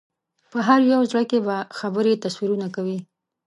په هر یو زړه کې به خبرې تصویرونه کوي